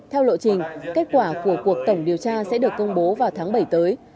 theo lộ trình kết quả của cuộc tổng điều tra sẽ được công bố vào tháng bảy tới